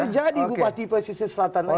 terjadi bupati pesisir selatan lain